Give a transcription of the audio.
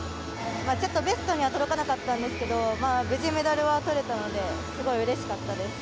ちょっとベストには届かなかったんですけど無事、メダルはとれたのですごいうれしかったです。